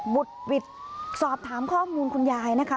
บุดหวิดสอบถามข้อมูลคุณยายนะคะ